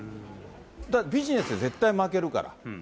だからビジネスで絶対負けるから。